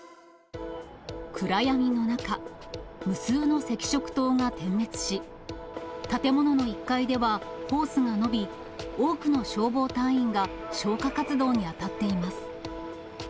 暗闇の中、無数の赤色灯が点滅し、建物の１階ではホースが伸び、多くの消防隊員が消火活動に当たっています。